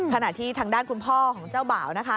ขณะที่ทางด้านคุณพ่อของเจ้าบ่าวนะคะ